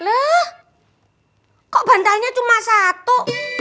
loh kok bantalnya cuma satu